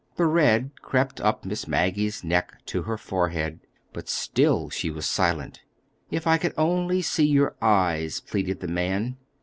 The red crept up Miss Maggie's neck to her forehead but still she was silent. "If I could only see your eyes," pleaded the man.